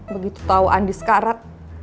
begitu tau andi sekarat